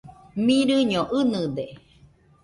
Mirɨño ɨnɨde.